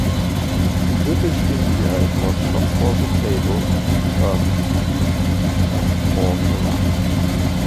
In British India, it was shot for the table and termed as 'ortolan'.